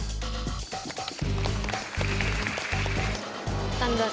tanda tenang kalung